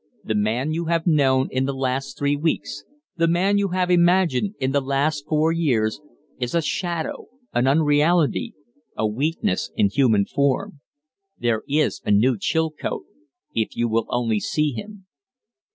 The man you have known in the last three weeks, the man you have imagined in the last four years, is a shadow, an unreality a weakness in human form. There is a new Chilcote if you will only see him."